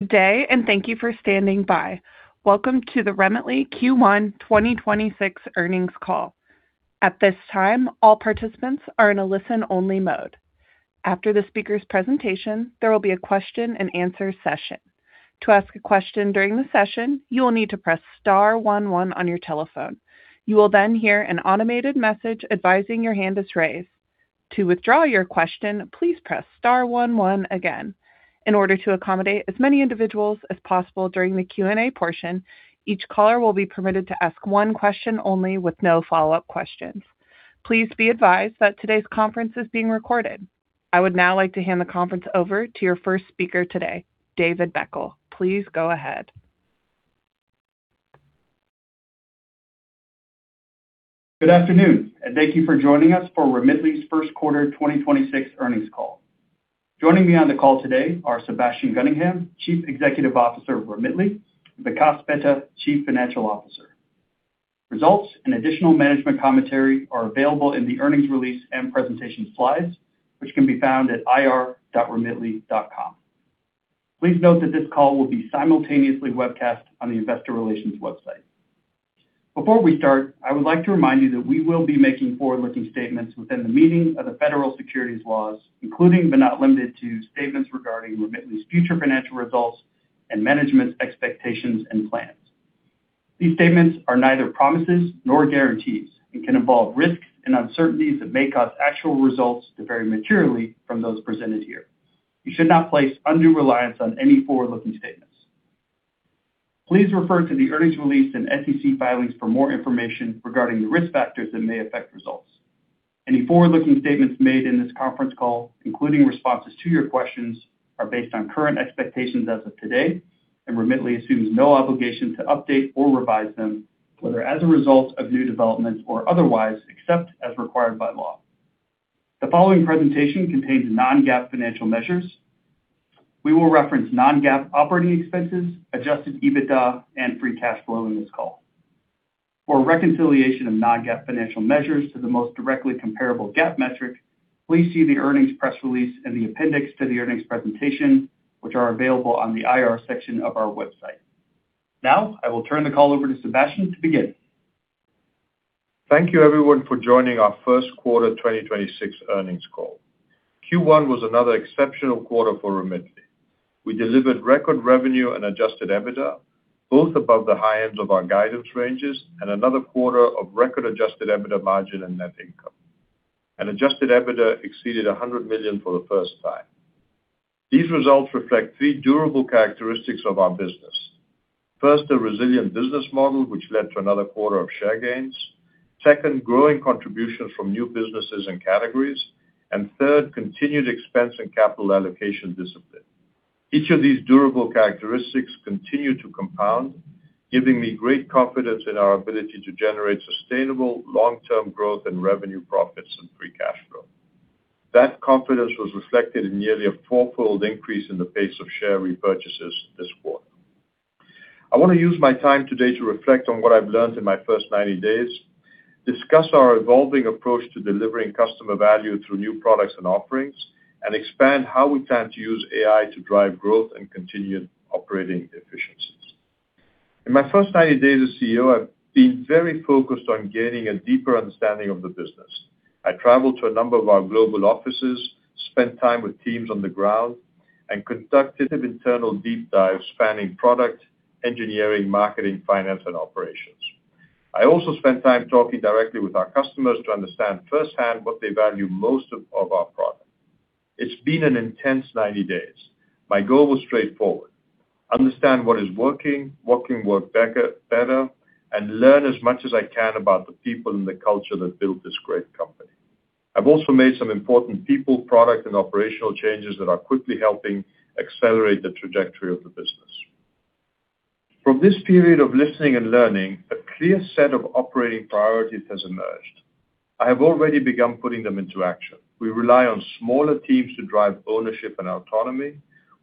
Good day, and thank you for standing by. Welcome to the Remitly Q1 2026 earnings call. At this time, all participants are in a listen-only mode. After the speaker's presentation, there will be a question-and-answer session. To ask a question during the session, you will need to press star one one on your telephone. You will then hear an automated message advising your hand is raised. To withdraw your question, please press star one one again. In order to accommodate as many individuals as possible during the Q&A portion, each caller will be permitted to ask one question only with no follow-up questions. Please be advised that today's conference is being recorded. I would now like to hand the conference over to your first speaker today, David Beckel. Please go ahead. Good afternoon, and thank you for joining us for Remitly's first quarter 2026 earnings call. Joining me on the call today are Sebastian Gunningham, Chief Executive Officer of Remitly, and Vikas Mehta, Chief Financial Officer. Results and additional management commentary are available in the earnings release and presentation slides, which can be found at ir.remitly.com. Please note that this call will be simultaneously webcast on the Investor Relations website. Before we start, I would like to remind you that we will be making forward-looking statements within the meaning of the Federal Securities laws, including, but not limited to, statements regarding Remitly's future financial results and management's expectations and plans. These statements are neither promises nor guarantees and can involve risks and uncertainties that may cause actual results to vary materially from those presented here. You should not place undue reliance on any forward-looking statements. Please refer to the earnings release and SEC filings for more information regarding the risk factors that may affect results. Any forward-looking statements made in this conference call, including responses to your questions, are based on current expectations as of today, and Remitly assumes no obligation to update or revise them, whether as a result of new developments or otherwise, except as required by law. The following presentation contains non-GAAP financial measures. We will reference non-GAAP operating expenses, adjusted EBITDA, and free cash flow in this call. For a reconciliation of non-GAAP financial measures to the most directly comparable GAAP metric, please see the earnings press release in the appendix to the earnings presentation, which are available on the IR section of our website. Now, I will turn the call over to Sebastian to begin. Thank you, everyone, for joining our first quarter 2026 earnings call. Q1 was another exceptional quarter for Remitly. We delivered record revenue and adjusted EBITDA, both above the high ends of our guidance ranges and another quarter of record-adjusted EBITDA margin and net income. Adjusted EBITDA exceeded $100 million for the first time. These results reflect three durable characteristics of our business. First, a resilient business model, which led to another quarter of share gains. Second, growing contributions from new businesses and categories. Third, continued expense and capital allocation discipline. Each of these durable characteristics continue to compound, giving me great confidence in our ability to generate sustainable long-term growth and revenue profits and free cash flow. That confidence was reflected in nearly a four-fold increase in the pace of share repurchases this quarter. I wanna use my time today to reflect on what I've learned in my first 90 days, discuss our evolving approach to delivering customer value through new products and offerings, and expand how we plan to use AI to drive growth and continued operating efficiencies. In my first 90 days as CEO, I've been very focused on gaining a deeper understanding of the business. I traveled to a number of our global offices, spent time with teams on the ground, and conducted an internal deep dive spanning product, engineering, marketing, finance, and operations. I also spent time talking directly with our customers to understand firsthand what they value most of our product. It's been an intense 90 days. My goal was straightforward: understand what is working, what can work better, and learn as much as I can about the people and the culture that built this great company. I've also made some important people, product, and operational changes that are quickly helping accelerate the trajectory of the business. From this period of listening and learning, a clear set of operating priorities has emerged. I have already begun putting them into action. We rely on smaller teams to drive ownership and autonomy.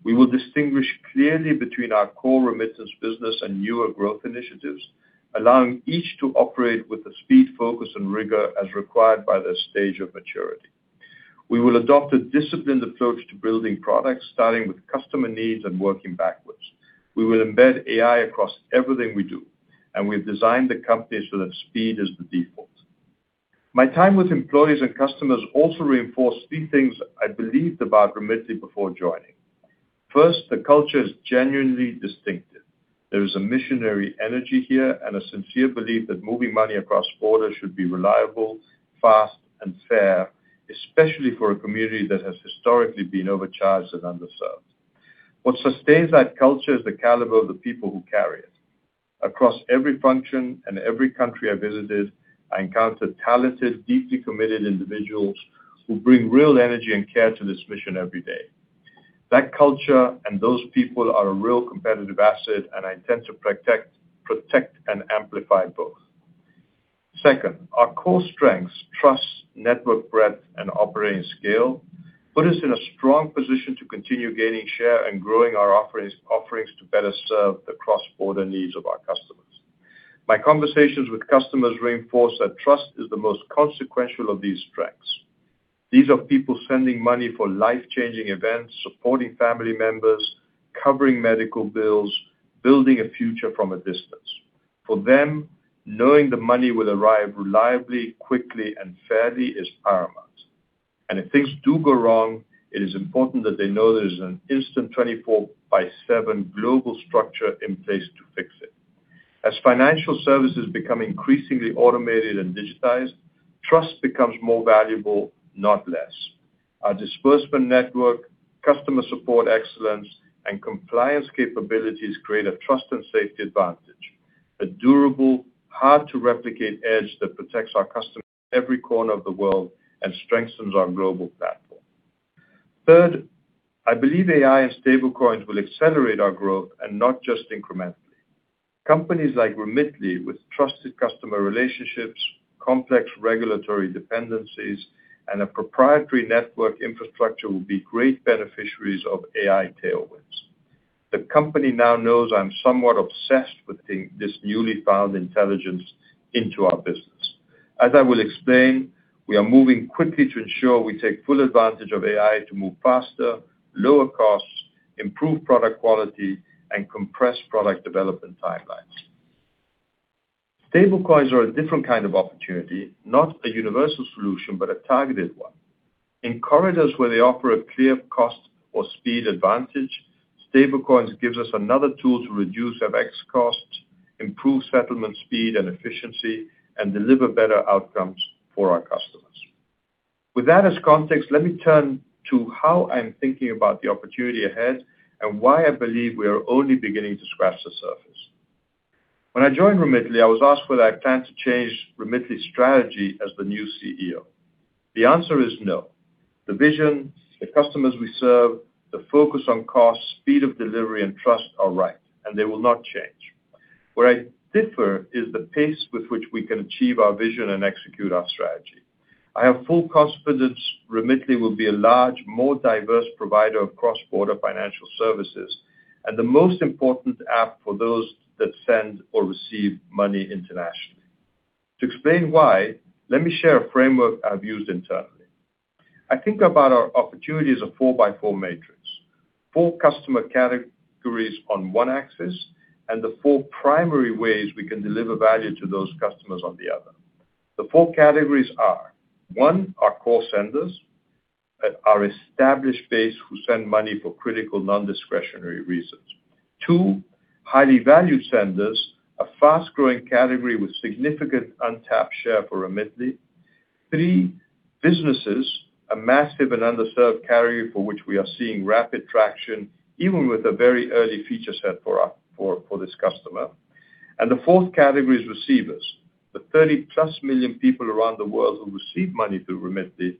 We will distinguish clearly between our core remittance business and newer growth initiatives, allowing each to operate with the speed, focus, and rigor as required by their stage of maturity. We will adopt a disciplined approach to building products, starting with customer needs and working backwards. We will embed AI across everything we do, and we've designed the company so that speed is the default. My time with employees and customers also reinforced three things I believed about Remitly before joining. First, the culture is genuinely distinctive. There is a missionary energy here and a sincere belief that moving money across borders should be reliable, fast, and fair, especially for a community that has historically been overcharged and underserved. What sustains that culture is the caliber of the people who carry it. Across every function and every country I visited, I encountered talented, deeply committed individuals who bring real energy and care to this mission every day. That culture and those people are a real competitive asset, and I intend to protect and amplify both. Second, our core strengths, trust, network breadth, and operating scale put us in a strong position to continue gaining share and growing our offerings to better serve the cross-border needs of our customers. My conversations with customers reinforce that trust is the most consequential of these factors. These are people sending money for life-changing events, supporting family members, covering medical bills, building a future from a distance. For them, knowing the money will arrive reliably, quickly, and fairly is paramount. If things do go wrong, it is important that they know there's an instant 24/7 global structure in place to fix it. As financial services become increasingly automated and digitized, trust becomes more valuable, not less. Our disbursement network, customer support excellence, and compliance capabilities create a trust and safety advantage, a durable, hard-to-replicate edge that protects our customers every corner of the world and strengthens our global platform. Third, I believe AI and stablecoins will accelerate our growth and not just incrementally. Companies like Remitly with trusted customer relationships, complex regulatory dependencies, and a proprietary network infrastructure will be great beneficiaries of AI tailwinds. The company now knows I'm somewhat obsessed with taking this newly found intelligence into our business. As I will explain, we are moving quickly to ensure we take full advantage of AI to move faster, lower costs, improve product quality, and compress product development timelines. Stablecoins are a different kind of opportunity, not a universal solution, but a targeted one. In corridors where they offer a clear cost or speed advantage, stablecoins gives us another tool to reduce FX costs, improve settlement speed and efficiency, and deliver better outcomes for our customers. With that as context, let me turn to how I'm thinking about the opportunity ahead and why I believe we are only beginning to scratch the surface. When I joined Remitly, I was asked whether I planned to change Remitly's strategy as the new CEO. The answer is no. The vision, the customers we serve, the focus on cost, speed of delivery, and trust are right. They will not change. Where I differ is the pace with which we can achieve our vision and execute our strategy. I have full confidence Remitly will be a large, more diverse provider of cross-border financial services, and the most important app for those that send or receive money internationally. To explain why, let me share a framework I've used internally. I think about our opportunity as a 4x4 matrix. Four customer categories on one axis, and the four primary ways we can deliver value to those customers on the other. The four categories are: one are core senders that are established base who send money for critical non-discretionary reasons. Two, highly valued senders, a fast-growing category with significant untapped share for Remitly. Three, businesses, a massive and underserved carrier for which we are seeing rapid traction, even with a very early feature set for this customer. The 4th category is receivers. The 30+ million people around the world who receive money through Remitly,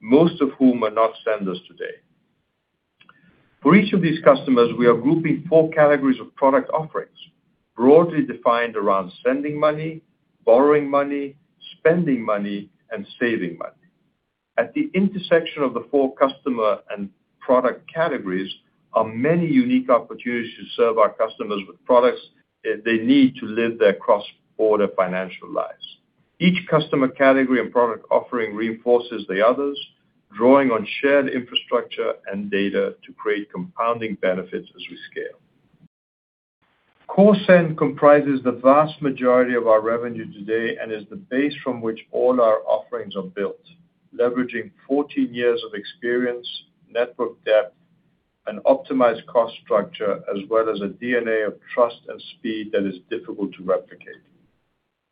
most of whom are not senders today. For each of these customers, we are grouping four categories of product offerings, broadly defined around sending money, borrowing money, spending money, and saving money. At the intersection of the four customer and product categories are many unique opportunities to serve our customers with products they need to live their cross-border financial lives. Each customer category and product offering reinforces the others, drawing on shared infrastructure and data to create compounding benefits as we scale. Core send comprises the vast majority of our revenue today and is the base from which all our offerings are built, leveraging 14 years of experience, network depth, an optimized cost structure, as well as a DNA of trust and speed that is difficult to replicate.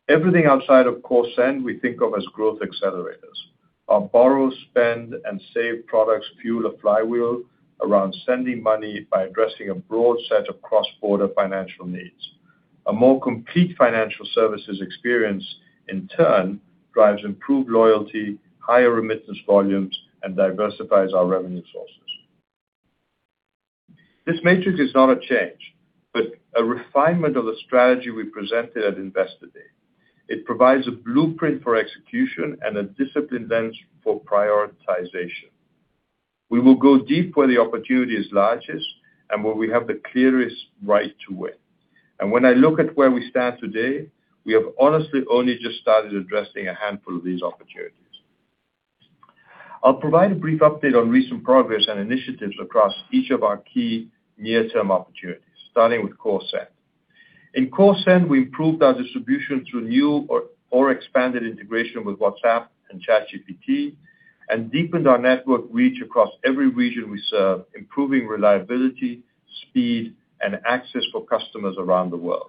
Everything outside of core send we think of as growth accelerators. Our borrow, spend, and save products fuel a flywheel around sending money by addressing a broad set of cross-border financial needs. A more complete financial services experience, in turn, drives improved loyalty, higher remittance volumes, and diversifies our revenue sources. This matrix is not a change, but a refinement of the strategy we presented at Investor Day. It provides a blueprint for execution and a disciplined lens for prioritization. We will go deep where the opportunity is largest and where we have the clearest right to win. When I look at where we stand today, we have honestly only just started addressing a handful of these opportunities. I'll provide a brief update on recent progress and initiatives across each of our key near-term opportunities, starting with Core Send. In Core Send, we improved our distribution through new or expanded integration with WhatsApp and ChatGPT and deepened our network reach across every region we serve, improving reliability, speed, and access for customers around the world.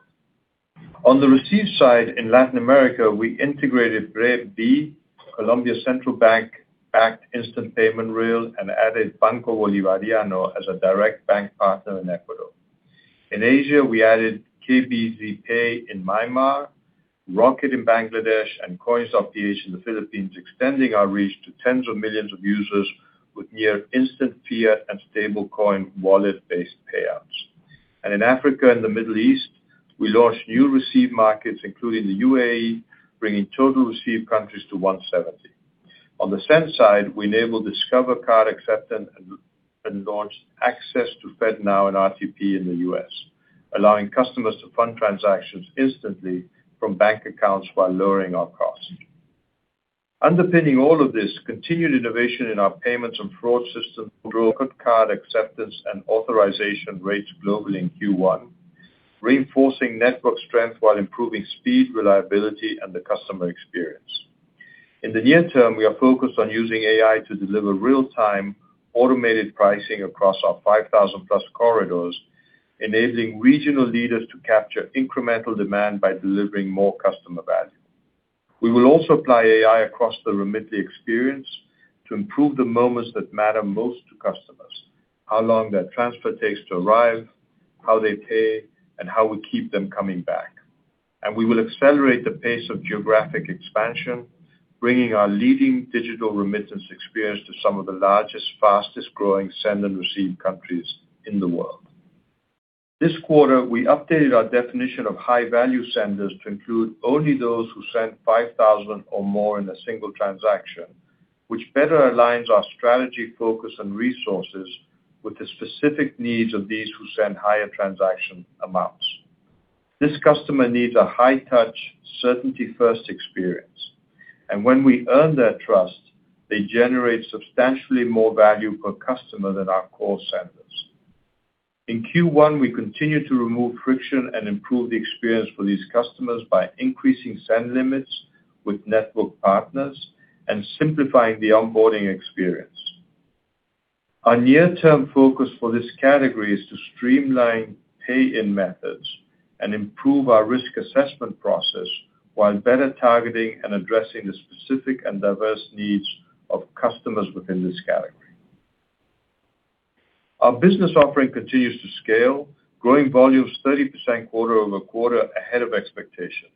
On the receive side in Latin America, we integrated Bre-B, Colombia Central Bank-backed instant payment rail, and added Banco Bolivariano as a direct bank partner in Ecuador. In Asia, we added KBZPay in Myanmar, Rocket in Bangladesh, and Coins.ph in the Philippines, extending our reach to tens of millions of users with near-instant fiat and stablecoin wallet-based payouts. In Africa and the Middle East, we launched new receive markets, including the UAE, bringing total receive countries to 170. On the send side, we enabled Discover Card acceptance and launched access to FedNow and RTP in the U.S., allowing customers to fund transactions instantly from bank accounts while lowering our cost. Underpinning all of this, continued innovation in our payments and fraud system drove good card acceptance and authorization rates globally in Q1, reinforcing network strength while improving speed, reliability, and the customer experience. In the near term, we are focused on using AI to deliver real-time automated pricing across our 5,000+ corridors, enabling regional leaders to capture incremental demand by delivering more customer value. We will also apply AI across the Remitly experience to improve the moments that matter most to customers, how long that transfer takes to arrive, how they pay, and how we keep them coming back. We will accelerate the pace of geographic expansion, bringing our leading digital remittance experience to some of the largest, fastest-growing send and receive countries in the world. This quarter, we updated our definition of high-value senders to include only those who send $5,000 or more in a single transaction, which better aligns our strategy, focus, and resources with the specific needs of these who send higher transaction amounts. This customer needs a high-touch certainty-first experience, and when we earn their trust, they generate substantially more value per customer than our core senders. In Q1, we continued to remove friction and improve the experience for these customers by increasing send limits with network partners and simplifying the onboarding experience. Our near-term focus for this category is to streamline pay-in methods and improve our risk assessment process while better targeting and addressing the specific and diverse needs of customers within this category. Our business offering continues to scale, growing volumes 30% quarter-over-quarter ahead of expectations.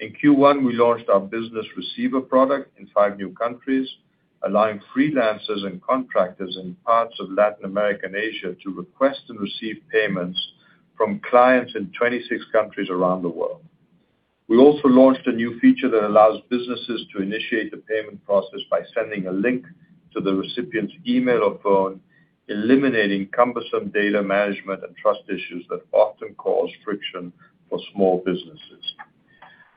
In Q1, we launched our business receiver product in five new countries, allowing freelancers and contractors in parts of Latin America and Asia to request and receive payments from clients in 26 countries around the world. We also launched a new feature that allows businesses to initiate the payment process by sending a link to the recipient's email or phone, eliminating cumbersome data management and trust issues that often cause friction for small businesses.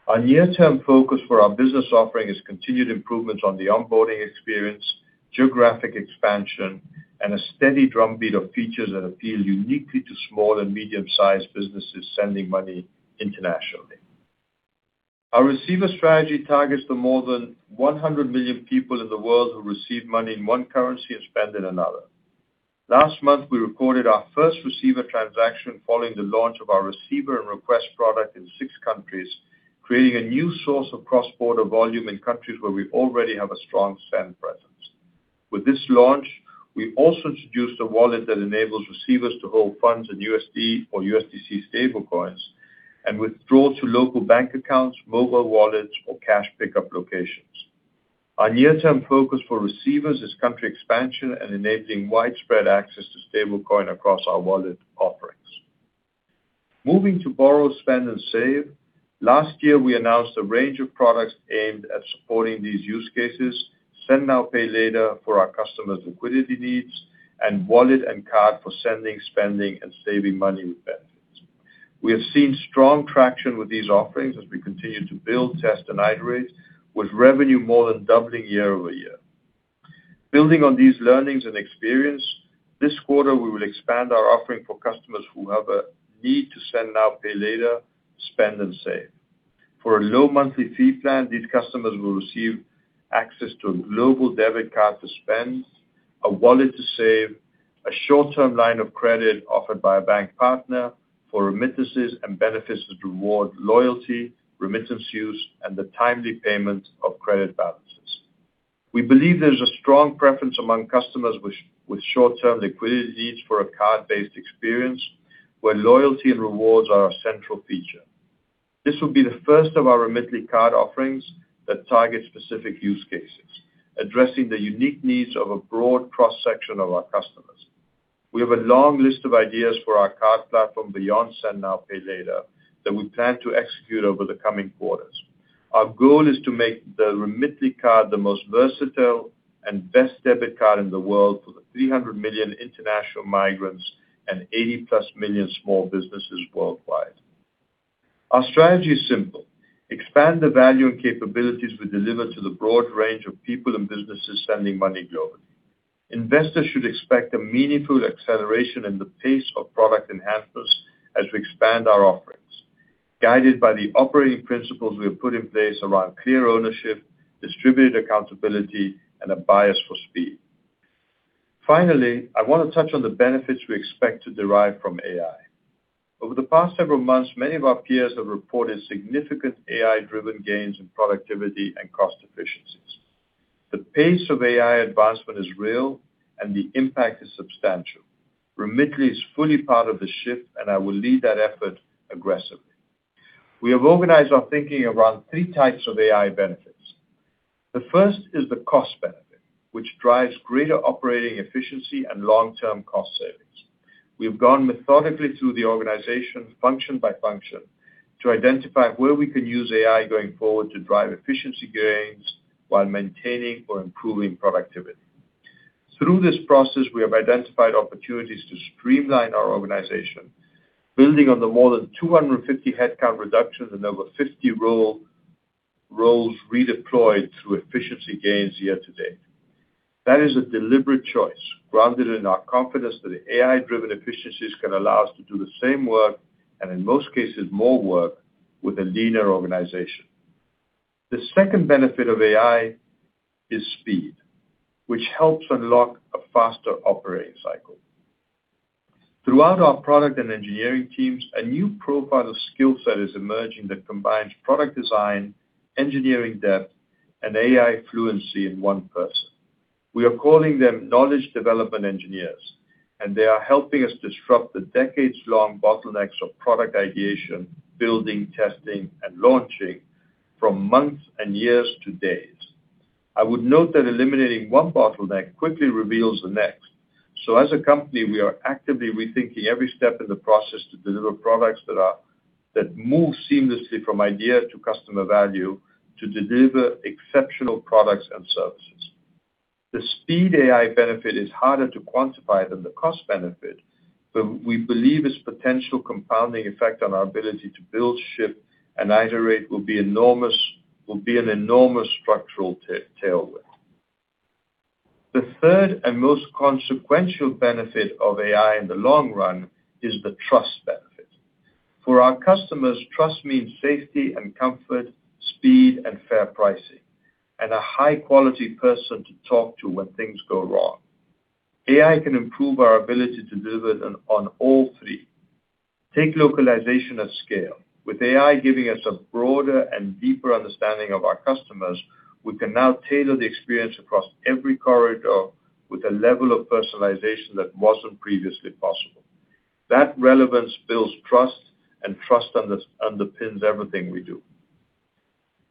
Our near-term focus for our business offering is continued improvements on the onboarding experience, geographic expansion, and a steady drumbeat of features that appeal uniquely to small and medium-sized businesses sending money internationally. Our receiver strategy targets the more than 100 million people in the world who receive money in one currency and spend in another. Last month, we recorded our first receiver transaction following the launch of our receiver and request product in six countries, creating a new source of cross-border volume in countries where we already have a strong send presence. With this launch, we also introduced a wallet that enables receivers to hold funds in USD or USDC stablecoins and withdraw to local bank accounts, mobile wallets, or cash pickup locations. Our near-term focus for receivers is country expansion and enabling widespread access to stablecoin across our wallet offerings. Moving to borrow, spend, and save, last year we announced a range of products aimed at supporting these use cases, send now, pay later for our customers' liquidity needs, and wallet and card for sending, spending, and saving money with benefits. We have seen strong traction with these offerings as we continue to build, test, and iterate with revenue more than doubling year-over-year. Building on these learnings and experience, this quarter we will expand our offering for customers who have a need to send now, pay later, spend, and save. For a low monthly fee plan, these customers will receive access to a global debit card to spend, a wallet to save, a short-term line of credit offered by a bank partner for remittances and benefits that reward loyalty, remittance use, and the timely payment of credit balances. We believe there's a strong preference among customers with short-term liquidity needs for a card-based experience where loyalty and rewards are our central feature. This will be the first of our Remitly Card offerings that target specific use cases, addressing the unique needs of a broad cross-section of our customers. We have a long list of ideas for our card platform beyond send now, pay later that we plan to execute over the coming quarters. Our goal is to make the Remitly Card the most versatile and best debit card in the world for the 300 million international migrants and 80+ million small businesses worldwide. Our strategy is simple: expand the value and capabilities we deliver to the broad range of people and businesses sending money globally. Investors should expect a meaningful acceleration in the pace of product enhancements as we expand our offerings, guided by the operating principles we have put in place around clear ownership, distributed accountability, and a bias for speed. Finally, I want to touch on the benefits we expect to derive from AI. Over the past several months, many of our peers have reported significant AI-driven gains in productivity and cost efficiencies. The pace of AI advancement is real and the impact is substantial. Remitly is fully part of the shift, and I will lead that effort aggressively. We have organized our thinking around three types of AI benefits. The first is the cost, which drives greater operating efficiency and long-term cost savings. We have gone methodically through the organization function by function to identify where we can use AI going forward to drive efficiency gains while maintaining or improving productivity. Through this process, we have identified opportunities to streamline our organization, building on the more than 250 headcount reductions and over 50 roles redeployed through efficiency gains year-to-date. That is a deliberate choice, grounded in our confidence that the AI-driven efficiencies can allow us to do the same work, and in most cases, more work with a leaner organization. The second benefit of AI is speed, which helps unlock a faster operating cycle. Throughout our product and engineering teams, a new profile of skill set is emerging that combines product design, engineering depth, and AI fluency in one person. We are calling them knowledge development engineers. They are helping us disrupt the decades-long bottlenecks of product ideation, building, testing, and launching from months and years to days. I would note that eliminating one bottleneck quickly reveals the next. As a company, we are actively rethinking every step in the process to deliver products that move seamlessly from idea to customer value to deliver exceptional products and services. The speed AI benefit is harder to quantify than the cost benefit, but we believe its potential compounding effect on our ability to build, ship, and iterate will be an enormous structural tailwind. The third and most consequential benefit of AI in the long run is the trust benefit. For our customers, trust means safety and comfort, speed and fair pricing, and a high-quality person to talk to when things go wrong. AI can improve our ability to deliver on all three. Take localization at scale. With AI giving us a broader and deeper understanding of our customers, we can now tailor the experience across every corridor with a level of personalization that wasn't previously possible. That relevance builds trust, and trust underpins everything we do.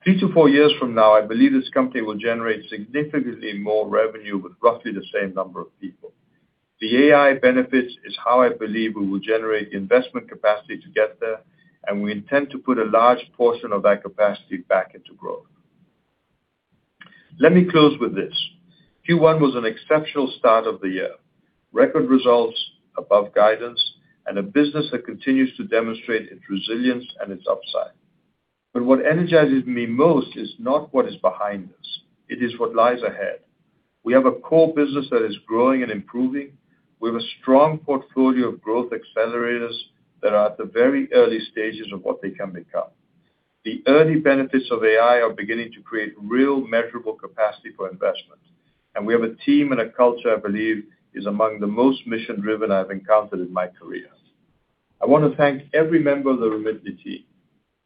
Three to four years from now, I believe this company will generate significantly more revenue with roughly the same number of people. The AI benefits is how I believe we will generate the investment capacity to get there, and we intend to put a large portion of that capacity back into growth. Let me close with this. Q1 was an exceptional start of the year. Record results above guidance and a business that continues to demonstrate its resilience and its upside. What energizes me most is not what is behind us, it is what lies ahead. We have a core business that is growing and improving. We have a strong portfolio of growth accelerators that are at the very early stages of what they can become. The early benefits of AI are beginning to create real measurable capacity for investment, and we have a team and a culture I believe is among the most mission-driven I've encountered in my career. I want to thank every member of the Remitly team.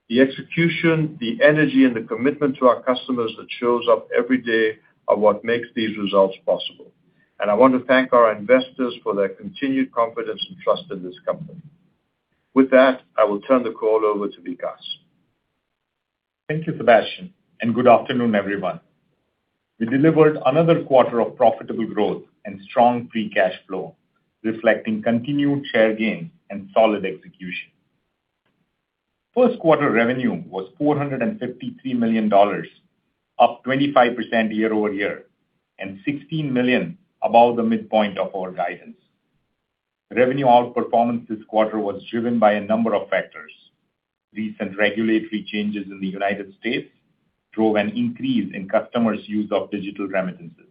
The execution, the energy, and the commitment to our customers that shows up every day are what makes these results possible. I want to thank our investors for their continued confidence and trust in this company. With that, I will turn the call over to Vikas. Thank you, Sebastian. Good afternoon, everyone. We delivered another quarter of profitable growth and strong free cash flow, reflecting continued share gains and solid execution. First quarter revenue was $453 million, up 25% year-over-year, and $16 million above the midpoint of our guidance. Revenue outperformance this quarter was driven by a number of factors. Recent regulatory changes in the U.S. drove an increase in customers' use of digital remittances,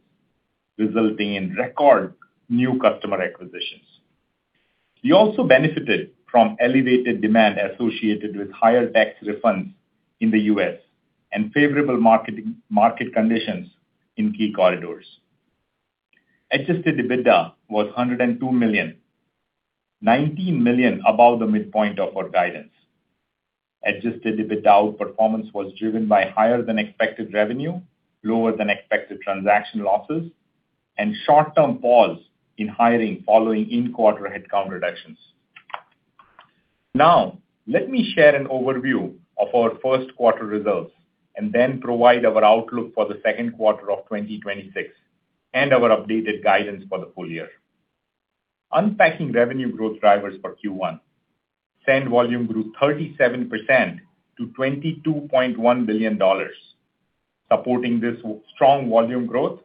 resulting in record new customer acquisitions. We also benefited from elevated demand associated with higher tax refunds in the U.S. and favorable market conditions in key corridors. Adjusted EBITDA was $102 million, $19 million above the midpoint of our guidance. Adjusted EBITDA outperformance was driven by higher than expected revenue, lower than expected transaction losses, and short-term pause in hiring following in-quarter headcount reductions. Let me share an overview of our first quarter results and then provide our outlook for the second quarter of 2026 and our updated guidance for the full-year. Unpacking revenue growth drivers for Q1. Send volume grew 37% to $22.1 billion. Supporting this strong volume growth,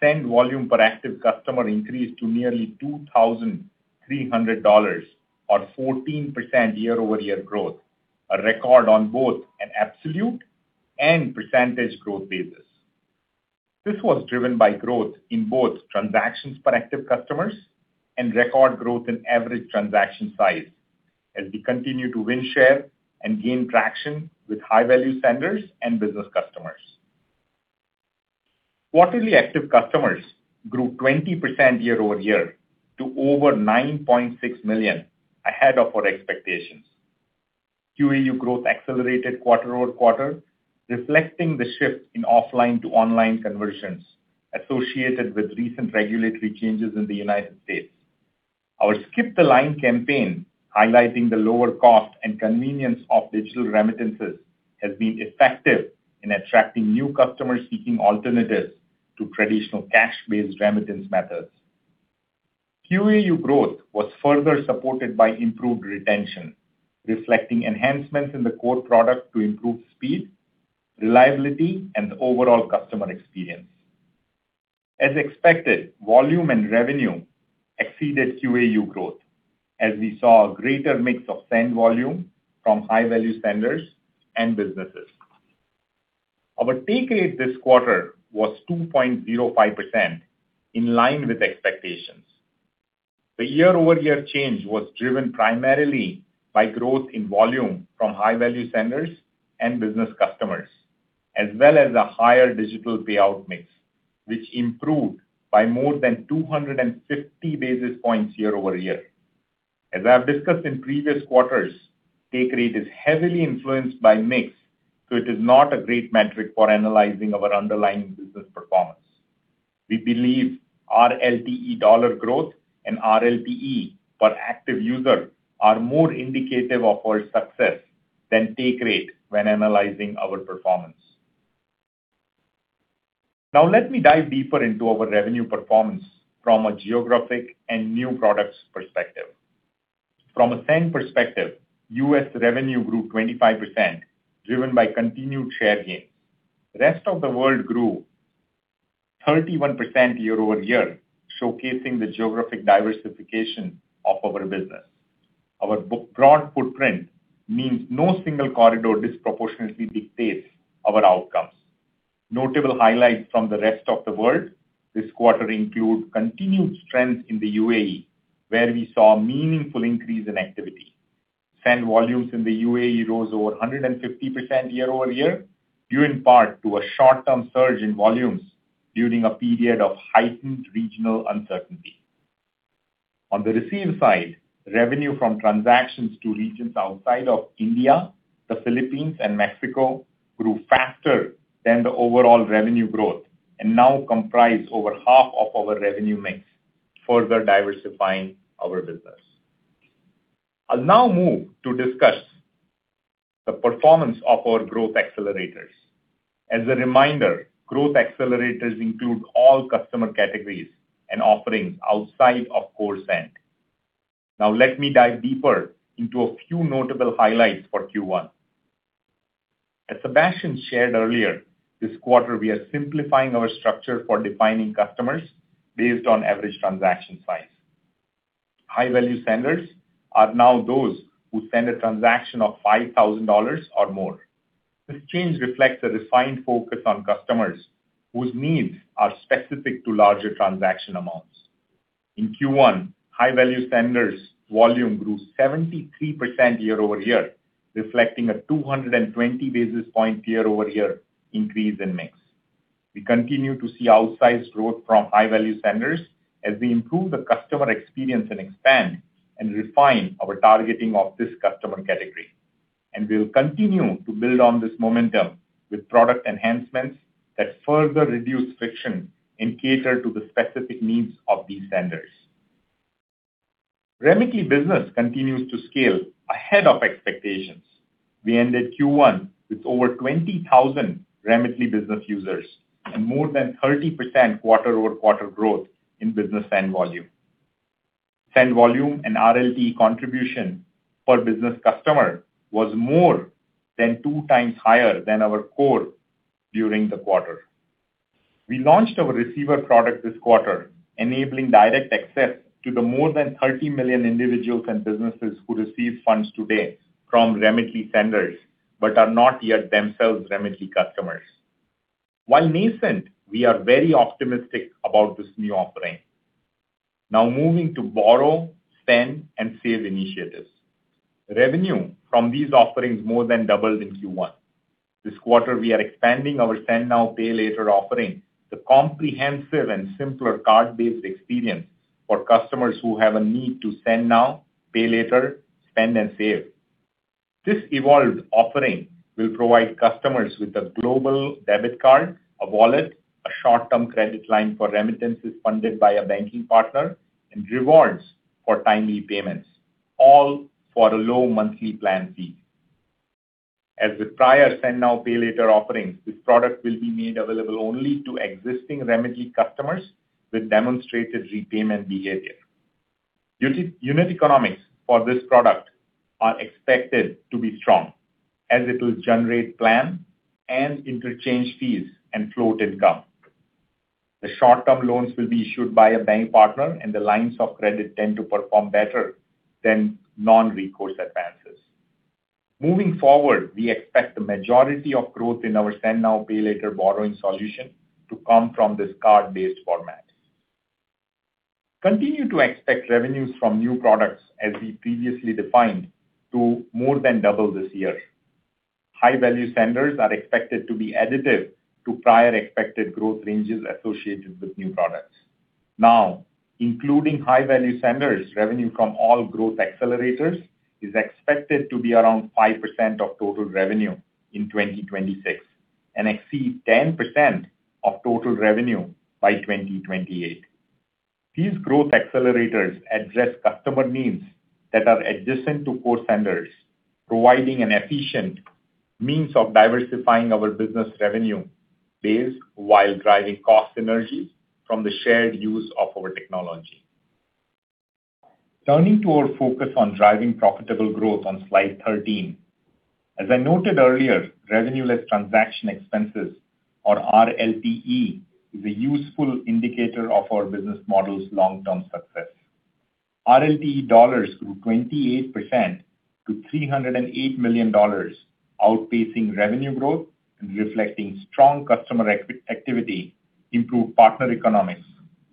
send volume per active customer increased to nearly $2,300 or 14% year-over-year growth, a record on both an absolute and percentage growth basis. This was driven by growth in both transactions per active customers and record growth in average transaction size as we continue to win share and gain traction with high-value senders and business customers. Quarterly active customers grew 20% year-over-year to over 9.6 million ahead of our expectations. QAU growth accelerated quarter-over-quarter, reflecting the shift in offline to online conversions associated with recent regulatory changes in the United States. Our Skip the Line campaign, highlighting the lower cost and convenience of digital remittances, has been effective in attracting new customers seeking alternatives to traditional cash-based remittance methods. QAU growth was further supported by improved retention, reflecting enhancements in the core product to improve speed, reliability, and overall customer experience. As expected, volume and revenue exceeded QAU growth as we saw a greater mix of send volume from high-value senders and businesses. Our take rate this quarter was 2.05% in line with expectations. The year-over-year change was driven primarily by growth in volume from high-value senders and business customers, as well as a higher digital payout mix, which improved by more than 250 basis points year-over-year. As I have discussed in previous quarters, take rate is heavily influenced by mix, so it is not a great metric for analyzing our underlying business performance. We believe RLTE dollar growth and RLTE per active user are more indicative of our success than take rate when analyzing our performance. Let me dive deeper into our revenue performance from a geographic and new products perspective. From a send perspective, U.S. revenue grew 25% driven by continued share gains. Rest of the world grew 31% year-over-year, showcasing the geographic diversification of our business. Our broad footprint means no single corridor disproportionately dictates our outcomes. Notable highlights from the rest of the world this quarter include continued strength in the UAE, where we saw a meaningful increase in activity. Send volumes in the UAE rose over 150% year-over-year, due in part to a short-term surge in volumes during a period of heightened regional uncertainty. On the receive side, revenue from transactions to regions outside of India, the Philippines, and Mexico grew faster than the overall revenue growth and now comprise over half of our revenue mix, further diversifying our business. I'll now move to discuss the performance of our growth accelerators. As a reminder, growth accelerators include all customer categories and offerings outside of core send. Let me dive deeper into a few notable highlights for Q1. As Sebastian shared earlier, this quarter we are simplifying our structure for defining customers based on average transaction size. High-value senders are now those who send a transaction of $5,000 or more. This change reflects a refined focus on customers whose needs are specific to larger transaction amounts. In Q1, high-value senders volume grew 73% year-over-year, reflecting a 220 basis point year-over-year increase in mix. We'll continue to see outsized growth from high-value senders as we improve the customer experience and expand and refine our targeting of this customer category. We'll continue to build on this momentum with product enhancements that further reduce friction and cater to the specific needs of these senders. Remitly Business continues to scale ahead of expectations. We ended Q1 with over 20,000 Remitly Business users and more than 30% quarter-over-quarter growth in business send volume. Send volume and RLTE contribution for business customer was more than two times higher than our core during the quarter. We launched our receiver product this quarter, enabling direct access to the more than 30 million individuals and businesses who receive funds today from Remitly senders, but are not yet themselves Remitly customers. While nascent, we are very optimistic about this new offering. Moving to borrow, spend, and save initiatives. Revenue from these offerings more than doubled in Q1. This quarter we are expanding our send now, pay later offering, the comprehensive and simpler card-based experience for customers who have a need to send now, pay later, spend, and save. This evolved offering will provide customers with a global debit card, a wallet, a short-term credit line for remittances funded by a banking partner, and rewards for timely payments, all for a low monthly plan fee. As with prior send now, pay later offerings, this product will be made available only to existing Remitly customers with demonstrated repayment behavior. Unit economics for this product are expected to be strong as it will generate platform and interchange fees and float income. The short-term loans will be issued by a bank partner. The lines of credit tend to perform better than non-recourse advances. Moving forward, we expect the majority of growth in our send now, pay later borrowing solution to come from this card-based format. Continue to expect revenues from new products as we previously defined to more than double this year. High-value senders are expected to be additive to prior expected growth ranges associated with new products. Including high-value senders, revenue from all growth accelerators is expected to be around 5% of total revenue in 2026 and exceed 10% of total revenue by 2028. These growth accelerators address customer needs that are adjacent to core centers, providing an efficient means of diversifying our business revenue base while driving cost synergies from the shared use of our technology. Turning to our focus on driving profitable growth on slide 13. As I noted earlier, Revenue Less Transaction Expenses or RLTE is a useful indicator of our business model's long-term success. RLTE dollars grew 28% to $308 million, outpacing revenue growth and reflecting strong customer activity, improved partner economics,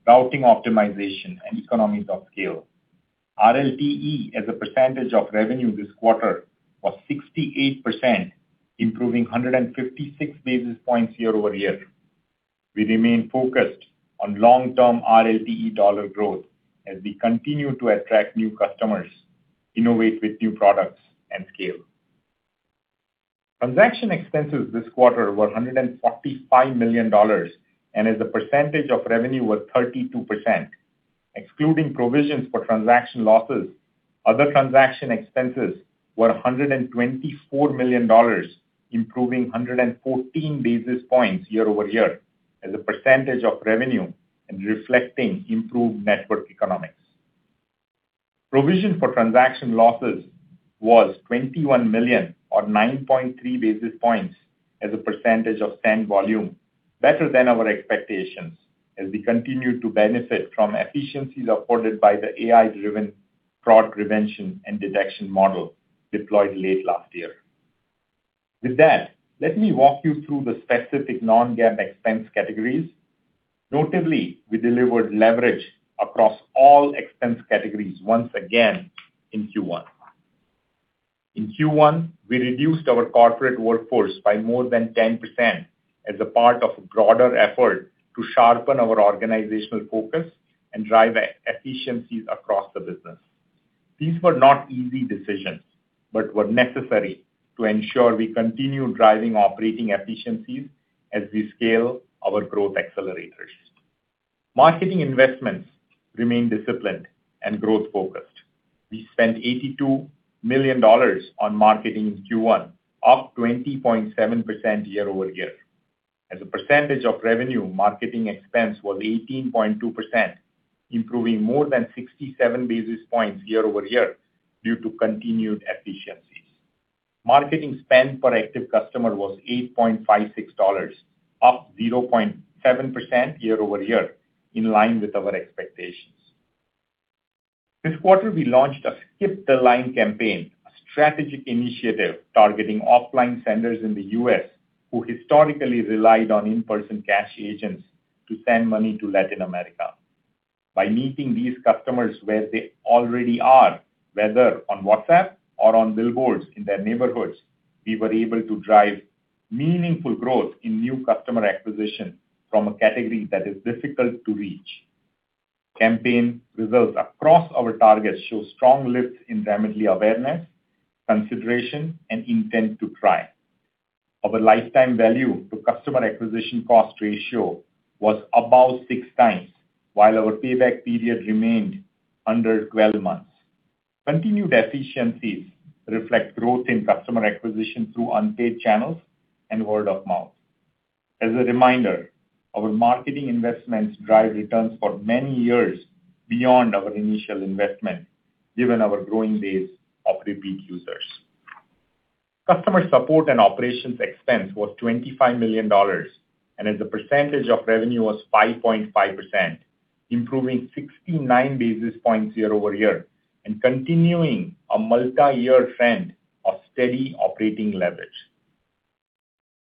routing optimization, and economies of scale. RLTE as a percentage of revenue this quarter was 68%, improving 156 basis points year-over-year. We remain focused on long-term RLTE dollar growth as we continue to attract new customers, innovate with new products, and scale. Transaction expenses this quarter were $145 million. As a percentage of revenue was 32%. Excluding provisions for transaction losses, other transaction expenses were $124 million, improving 114 basis points year-over-year as a percentage of revenue and reflecting improved network economics. Provision for transaction losses was $21 million or 9.3 basis points as a percentage of send volume, better than our expectations as we continue to benefit from efficiencies afforded by the AI-driven fraud prevention and detection model deployed late last year. With that, let me walk you through the specific non-GAAP expense categories. Notably, we delivered leverage across all expense categories once again in Q1. In Q1, we reduced our corporate workforce by more than 10% as a part of a broader effort to sharpen our organizational focus and drive efficiencies across the business. These were not easy decisions, but were necessary to ensure we continue driving operating efficiencies as we scale our growth accelerators. Marketing investments remain disciplined and growth focused. We spent $82 million on marketing in Q1, up 20.7% year-over-year. As a percentage of revenue, marketing expense was 18.2%, improving more than 67 basis points year-over-year due to continued efficiencies. Marketing spend per active customer was $8.56, up 0.7% year-over-year, in line with our expectations. This quarter, we launched a Skip the Line campaign, a strategic initiative targeting offline senders in the U.S. who historically relied on in-person cash agents to send money to Latin America. By meeting these customers where they already are, whether on WhatsApp or on billboards in their neighborhoods, we were able to drive meaningful growth in new customer acquisition from a category that is difficult to reach. Campaign results across our targets show strong lift in Remitly awareness, consideration, and intent to try. Our lifetime value to customer acquisition cost ratio was about 6x, while our payback period remained under 12 months. Continued efficiencies reflect growth in customer acquisition through unpaid channels and word of mouth. As a reminder, our marketing investments drive returns for many years beyond our initial investment given our growing base of repeat users. Customer support and operations expense was $25 million, and as a percentage of revenue was 5.5%, improving 69 basis points year-over-year and continuing a multiyear trend of steady operating leverage.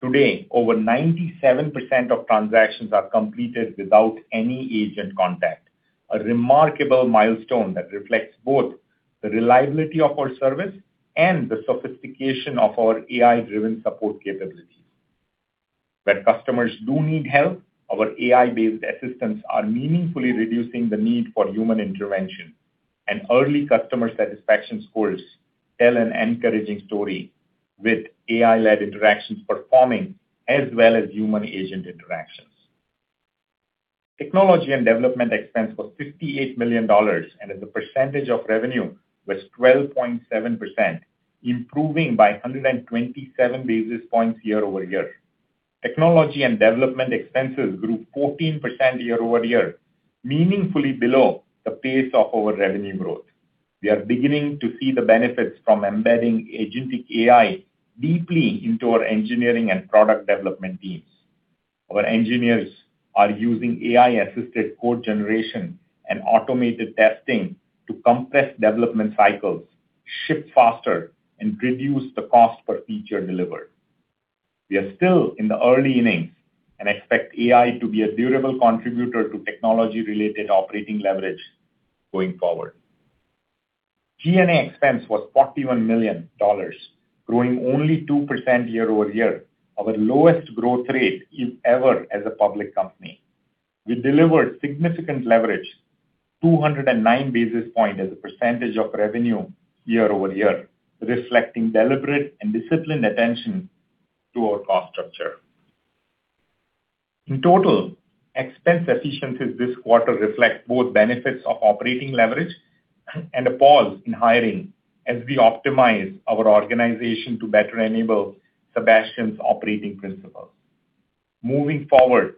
Today, over 97% of transactions are completed without any agent contact, a remarkable milestone that reflects both the reliability of our service and the sophistication of our AI-driven support capabilities. When customers do need help, our AI-based assistants are meaningfully reducing the need for human intervention, and early customer satisfaction scores tell an encouraging story with AI-led interactions performing as well as human agent interactions. Technology and development expense was $58 million, and as a percentage of revenue was 12.7%, improving by 127 basis points year-over-year. Technology and development expenses grew 14% year-over-year, meaningfully below the pace of our revenue growth. We are beginning to see the benefits from embedding agentic AI deeply into our engineering and product development teams. Our engineers are using AI-assisted code generation and automated testing to compress development cycles, ship faster, and reduce the cost per feature delivered. We are still in the early innings and expect AI to be a durable contributor to technology-related operating leverage going forward. G&A expense was $41 million, growing only 2% year-over-year, our lowest growth rate in ever as a public company. We delivered significant leverage, 209 basis point as a percentage of revenue year-over-year, reflecting deliberate and disciplined attention to our cost structure. In total, expense efficiencies this quarter reflect both benefits of operating leverage and a pause in hiring as we optimize our organization to better enable Sebastian's operating principles. Moving forward,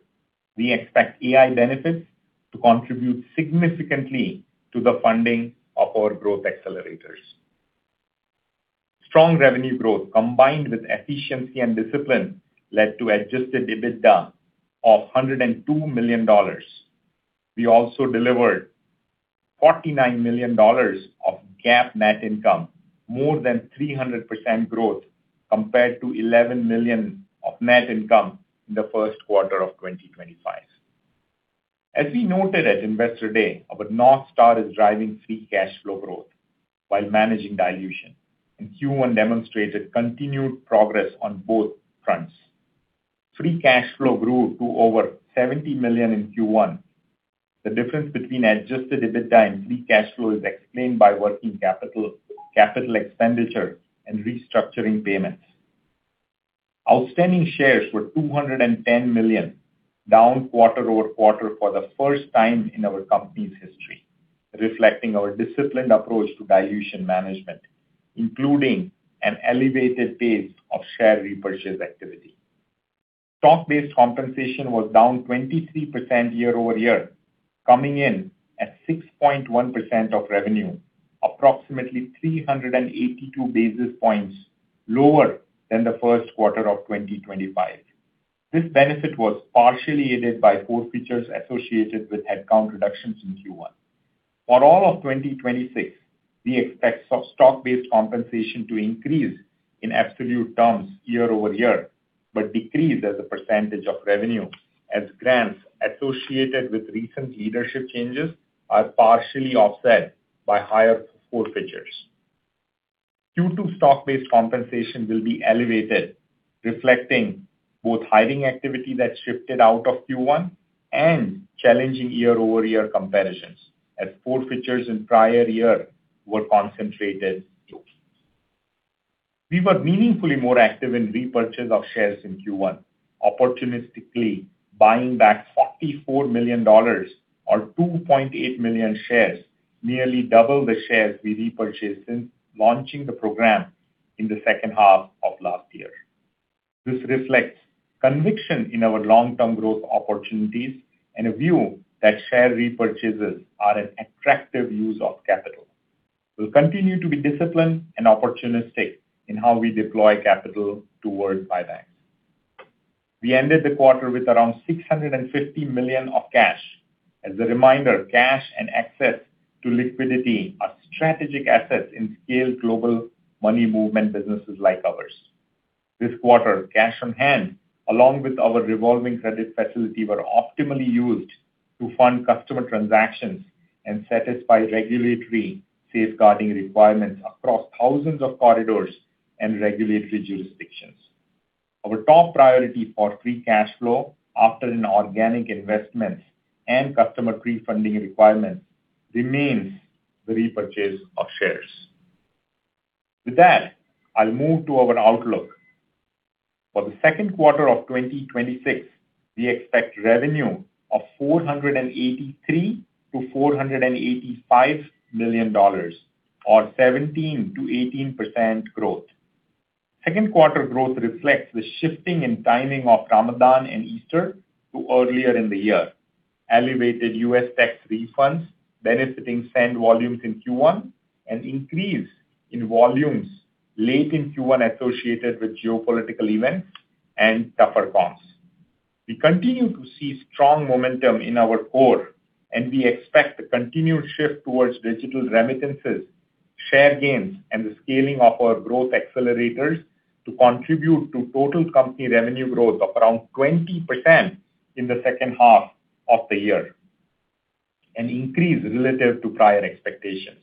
we expect AI benefits to contribute significantly to the funding of our growth accelerators. Strong revenue growth combined with efficiency and discipline led to adjusted EBITDA of $102 million. We also delivered $49 million of GAAP net income, more than 300% growth compared to $11 million of net income in the first quarter of 2025. As we noted at Investor Day, our North Star is driving free cash flow growth while managing dilution, and Q1 demonstrated continued progress on both fronts. Free cash flow grew to over $70 million in Q1. The difference between adjusted EBITDA and free cash flow is explained by working capital expenditure, and restructuring payments. Outstanding shares were 210 million, down quarter-over-quarter for the first time in our company's history, reflecting our disciplined approach to dilution management, including an elevated pace of share repurchase activity. Stock-based compensation was down 23% year-over-year, coming in at 6.1% of revenue, approximately 382 basis points lower than the first quarter of 2025. This benefit was partially aided by forfeitures associated with headcount reductions in Q1. For all of 2026, we expect some stock-based compensation to increase in absolute terms year-over-year but decrease as a percentage of revenue as grants associated with recent leadership changes are partially offset by higher forfeitures. Q2 stock-based compensation will be elevated, reflecting both hiring activity that shifted out of Q1 and challenging year-over-year comparisons as forfeitures in prior year were concentrated in Q1. We were meaningfully more active in repurchase of shares in Q1, opportunistically buying back $44 million or 2.8 million shares, nearly double the shares we repurchased since launching the program in the second half of last year. This reflects conviction in our long-term growth opportunities and a view that share repurchases are an attractive use of capital. We'll continue to be disciplined and opportunistic in how we deploy capital towards buybacks. We ended the quarter with around $650 million of cash. As a reminder, cash and access to liquidity are strategic assets in scaled global money movement businesses like ours. This quarter, cash on hand along with our revolving credit facility were optimally used to fund customer transactions and satisfy regulatory safeguarding requirements across thousands of corridors and regulatory jurisdictions. Our top priority for free cash flow after an organic investment and customer pre-funding requirements remains the repurchase of shares. With that, I'll move to our outlook. For the second quarter of 2026, we expect revenue of $483 million-$485 million or 17%-18% growth. Second quarter growth reflects the shifting and timing of Ramadan and Easter to earlier in the year, elevated U.S. tax refunds benefiting send volumes in Q1, an increase in volumes late in Q1 associated with geopolitical events, and tougher comps. We continue to see strong momentum in our core, and we expect a continued shift towards digital remittances, share gains, and the scaling of our growth accelerators to contribute to total company revenue growth of around 20% in the second half of the year, an increase relative to prior expectations.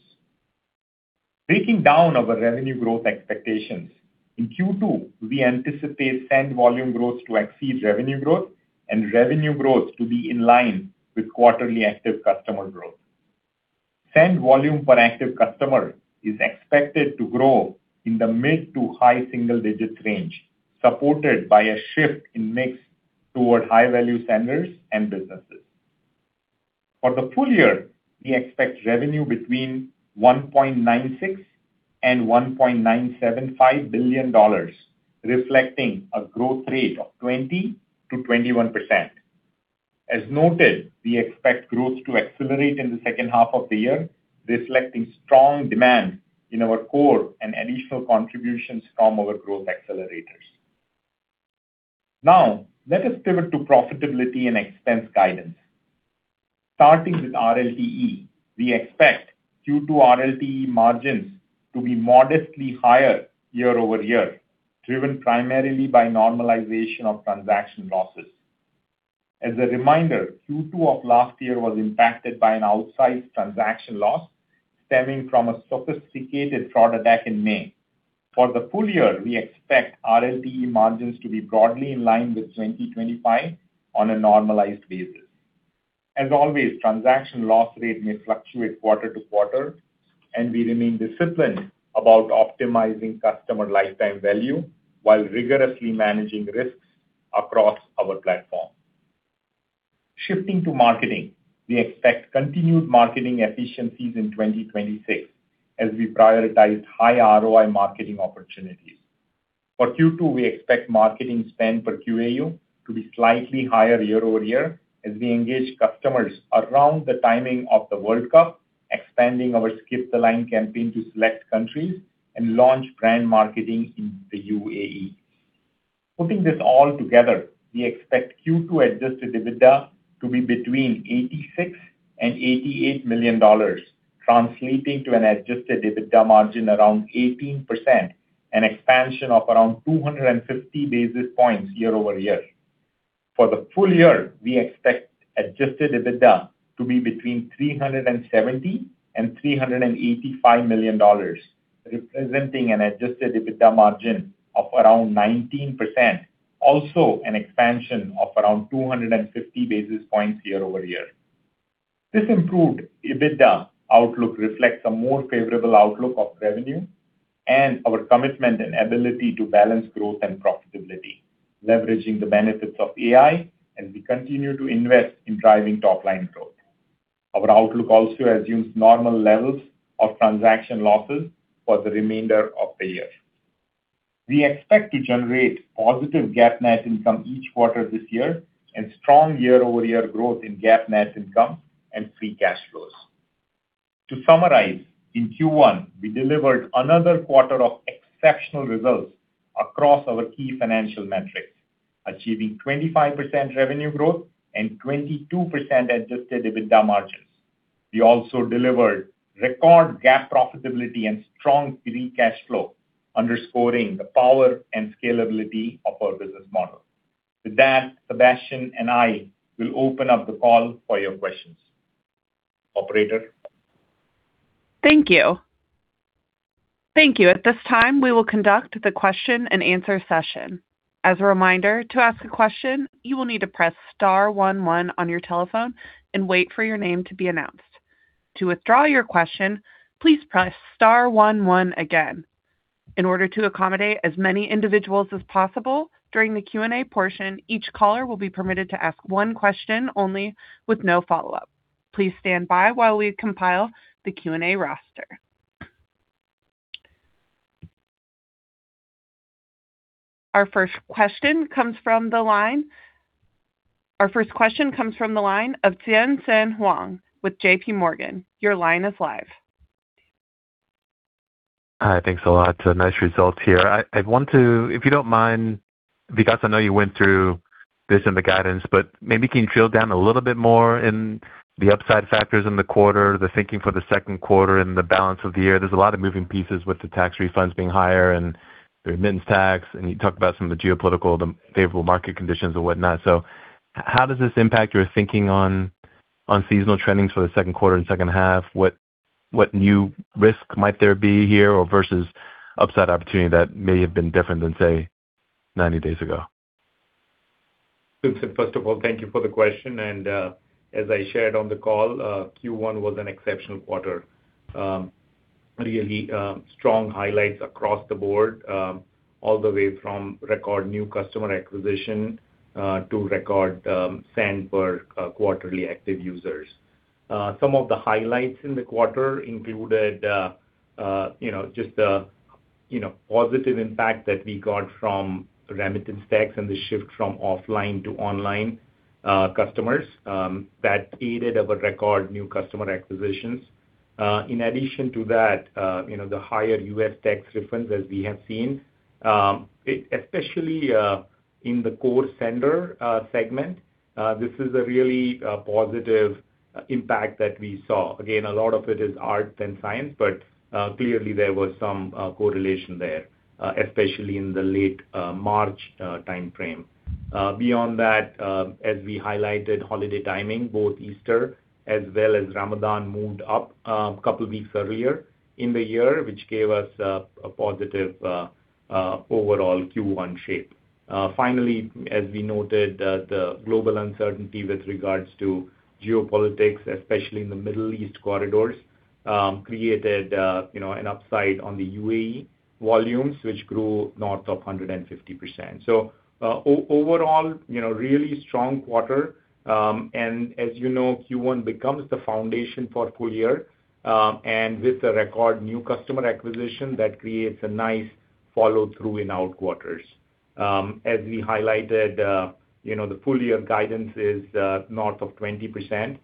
Breaking down our revenue growth expectations, in Q2, we anticipate send volume growth to exceed revenue growth and revenue growth to be in line with quarterly active customer growth. Send volume per active customer is expected to grow in the mid to high single-digit range, supported by a shift in mix toward high-value senders and businesses. For the full-year, we expect revenue between $1.96 billion and $1.975 billion, reflecting a growth rate of 20%-21%. As noted, we expect growth to accelerate in the second half of the year, reflecting strong demand in our core and additional contributions from our growth accelerators. Let us pivot to profitability and expense guidance. Starting with RLTE, we expect Q2 RLTE margins to be modestly higher year-over-year, driven primarily by normalization of transaction losses. As a reminder, Q2 of last year was impacted by an outsized transaction loss stemming from a sophisticated fraud attack in May. For the full-year, we expect RLTE margins to be broadly in line with 2025 on a normalized basis. As always, transaction loss rate may fluctuate quarter to quarter, and we remain disciplined about optimizing customer lifetime value while rigorously managing risks across our platform. Shifting to marketing, we expect continued marketing efficiencies in 2026 as we prioritize high ROI marketing opportunities. For Q2, we expect marketing spend per QAU to be slightly higher year-over-year as we engage customers around the timing of the World Cup, expanding our Skip the Line campaign to select countries and launch brand marketing in the UAE. Putting this all together, we expect Q2 adjusted EBITDA to be between $86 million and $88 million, translating to an adjusted EBITDA margin around 18%, an expansion of around 250 basis points year-over-year. For the full-year, we expect adjusted EBITDA to be between $370 million and $385 million, representing an adjusted EBITDA margin of around 19%, also an expansion of around 250 basis points year-over-year. This improved EBITDA outlook reflects a more favorable outlook of revenue and our commitment and ability to balance growth and profitability, leveraging the benefits of AI as we continue to invest in driving top-line growth. Our outlook also assumes normal levels of transaction losses for the remainder of the year. We expect to generate positive GAAP net income each quarter this year and strong year-over-year growth in GAAP net income and free cash flows. To summarize, in Q1, we delivered another quarter of exceptional results across our key financial metrics, achieving 25% revenue growth and 22% adjusted EBITDA margins. We also delivered record GAAP profitability and strong free cash flow, underscoring the power and scalability of our business model. With that, Sebastian and I will open up the call for your questions. Operator. Thank you. Thank you. At this time, we will conduct the question and answer session. As a reminder, to ask a question, you will need to press star one one on your telephone and wait for your name to be announced. To withdraw your question, please press star one one again. In order to accommodate as many individuals as possible during the Q&A portion, each caller will be permitted to ask one question only with no follow-up. Please stand by while we compile the Q&A roster. Our first question comes from the line of Tien-Tsin Huang with JPMorgan. Your line is live. Hi. Thanks a lot. Nice results here. I, if you don't mind, because I know you went through this in the guidance, but maybe can you drill down a little bit more in the upside factors in the quarter, the thinking for the second quarter and the balance of the year? There's a lot of moving pieces with the tax refunds being higher and the remittance tax, and you talked about some of the geopolitical, the favorable market conditions and whatnot. How does this impact your thinking on seasonal trendings for the second quarter and second half? What new risk might there be here or versus upside opportunity that may have been different than, say, 90 days ago? First of all, thank you for the question. As I shared on the call, Q1 was an exceptional quarter. Really, strong highlights across the board, all the way from record new customer acquisition, to record send per quarterly active users. Some of the highlights in the quarter included, you know, just a, you know, positive impact that we got from remittance tax and the shift from offline to online customers that aided our record new customer acquisitions. In addition to that, you know, the higher U.S. tax refunds as we have seen, especially in the core sender segment, this is a really positive impact that we saw. A lot of it is art than science, clearly there was some correlation there, especially in the late March timeframe. Beyond that, as we highlighted holiday timing, both Easter as well as Ramadan moved up couple weeks earlier in the year, which gave us a positive overall Q1 shape. Finally, as we noted, the global uncertainty with regards to geopolitics, especially in the Middle East corridors, created, you know, an upside on the UAE volumes, which grew north of 150%. Overall, you know, really strong quarter. As you know, Q1 becomes the foundation for a full-year, with a record new customer acquisition, that creates a nice follow-through in our quarters. As we highlighted, you know, the full-year guidance is north of 20%,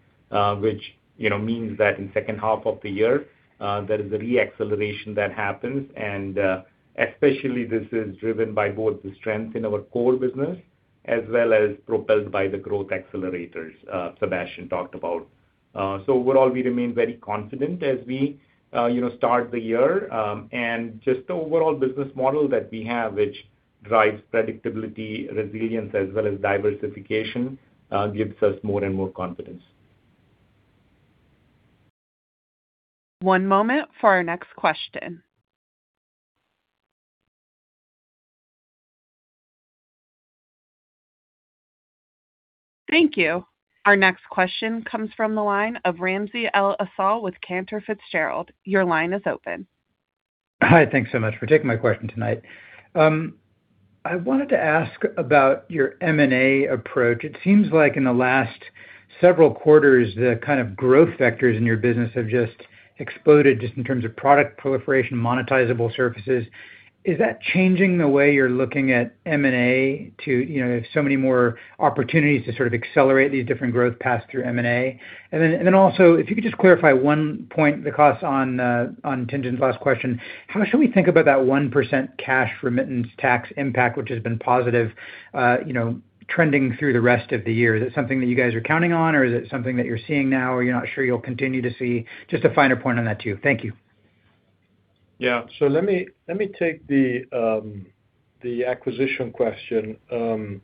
which, you know, means that in second half of the year, there is a re-acceleration that happens. Especially this is driven by both the strength in our core business as well as propelled by the growth accelerators Sebastian talked about. Overall, we remain very confident as we, you know, start the year. Just the overall business model that we have, which drives predictability, resilience, as well as diversification, gives us more and more confidence. One moment for our next question. Thank you. Our next question comes from the line of Ramsey El-Assal with Cantor Fitzgerald. Your line is open. Hi. Thanks so much for taking my question tonight. I wanted to ask about your M&A approach. It seems like in the last several quarters, the kind of growth vectors in your business have just exploded just in terms of product proliferation, monetizable services. Is that changing the way you're looking at M&A to, you know, so many more opportunities to sort of accelerate these different growth paths through M&A? If you could just clarify one point, Vikas, on Tien-Tsin's last question. How much should we think about that 1% cash remittance tax impact, which has been positive, you know, trending through the rest of the year? Is that something that you guys are counting on, or is it something that you're seeing now or you're not sure you'll continue to see? Just a finer point on that, too. Thank you. Yeah. Let me take the acquisition question.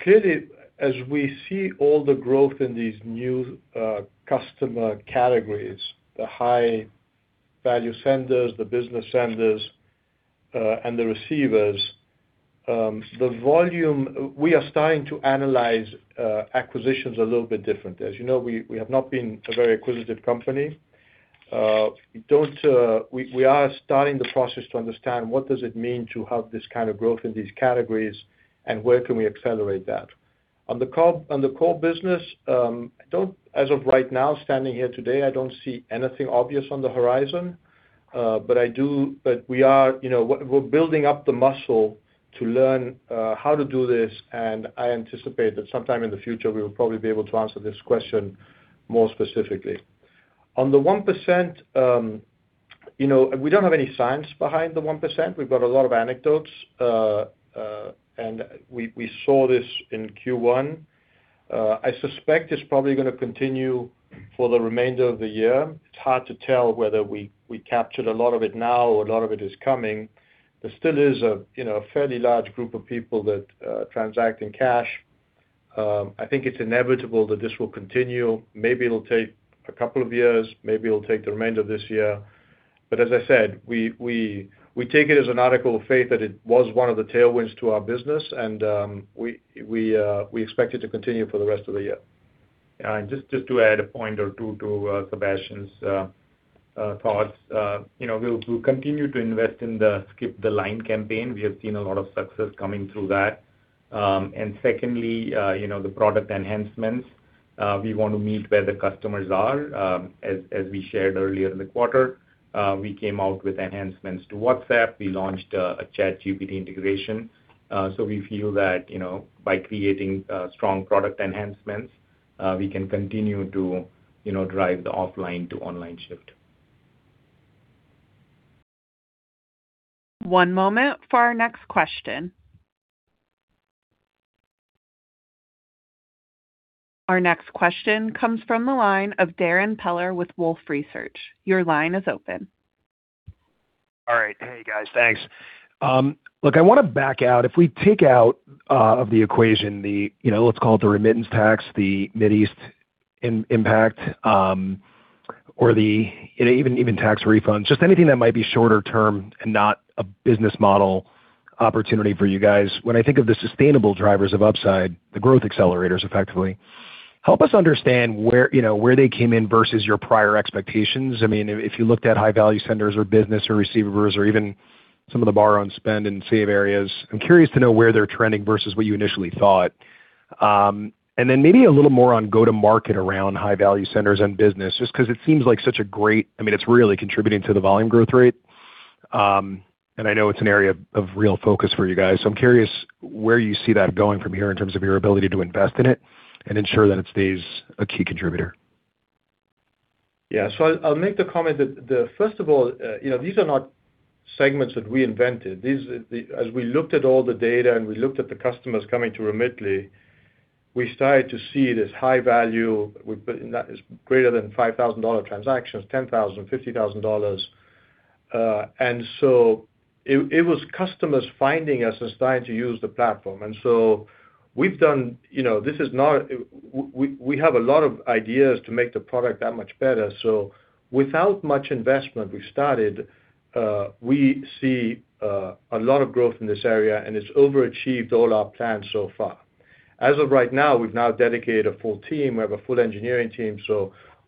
Clearly, as we see all the growth in these new customer categories, the high-value senders, the business senders, and the receivers, we are starting to analyze acquisitions a little bit differently. As you know, we have not been a very acquisitive company. We are starting the process to understand what does it mean to have this kind of growth in these categories and where can we accelerate that. On the core business, as of right now, standing here today, I don't see anything obvious on the horizon. We are, you know, we're building up the muscle to learn how to do this, and I anticipate that sometime in the future we will probably be able to answer this question more specifically. On the 1%, you know, we don't have any science behind the 1%. We've got a lot of anecdotes. We saw this in Q1. I suspect it's probably gonna continue for the remainder of the year. It's hard to tell whether we captured a lot of it now or a lot of it is coming. There still is a, you know, a fairly large group of people that transact in cash. I think it's inevitable that this will continue. Maybe it'll take two years. Maybe it'll take the remainder of this year. As I said, we take it as an article of faith that it was one of the tailwinds to our business, and we expect it to continue for the rest of the year. Yeah. Just to add a point or two to Sebastian's thoughts. You know, we'll continue to invest in the Skip the Line campaign. We have seen a lot of success coming through that. Secondly, you know, the product enhancements, we want to meet where the customers are. As we shared earlier in the quarter, we came out with enhancements to WhatsApp. We launched a ChatGPT integration. We feel that, you know, by creating strong product enhancements, we can continue to, you know, drive the offline to online shift. One moment for our next question. Our next question comes from the line of Darrin Peller with Wolfe Research. Your line is open. All right. Hey, guys. Thanks. Look, I wanna back out. If we take out of the equation the, you know, let's call it the remittance tax, the Mid East impact, or the even tax refunds, just anything that might be shorter term and not a business model opportunity for you guys, when I think of the sustainable drivers of upside, the growth accelerators effectively, help us understand where, you know, where they came in versus your prior expectations. I mean, if you looked at high-value senders or business or receivers or even some of the borrow and spend and save areas, I'm curious to know where they're trending versus what you initially thought. Then maybe a little more on go-to-market around high-value senders and business, just 'cause it seems like. I mean, it's really contributing to the volume growth rate. I know it's an area of real focus for you guys. So I'm curious where you see that going from here in terms of your ability to invest in it and ensure that it stays a key contributor? Yeah. I'll make the comment that First of all, you know, these are not segments that we invented. As we looked at all the data and we looked at the customers coming to Remitly, we started to see this high value, we put in that is greater than $5,000 transactions, $10,000, $50,000. It was customers finding us and starting to use the platform. We have a lot of ideas to make the product that much better. Without much investment, we started, we see a lot of growth in this area, and it's overachieved all our plans so far. As of right now, we've now dedicated a full team. We have a full engineering team.